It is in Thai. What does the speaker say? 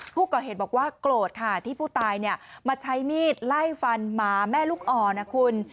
ผู้ก่อเหตุบอกว่าโกรธค่ะที่ผู้ตายมาใช้มีดไล่ฟันหมาแม่ลูกอ่อนนะคุณ